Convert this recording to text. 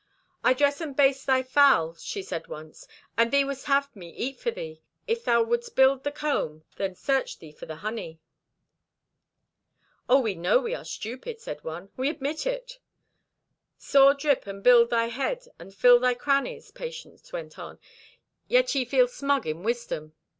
"I dress and baste thy fowl," she said once, "and thee wouldst have me eat for thee. If thou wouldst build the comb, then search thee for the honey." "Oh, we know we are stupid," said one. "We admit it." "Saw drip would build thy head and fill thy crannies," Patience went on, "yet ye feel smug in wisdom."